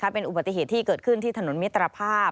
เป็นอุบัติเหตุที่เกิดขึ้นที่ถนนมิตรภาพ